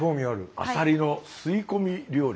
アサリの吸い込み料理？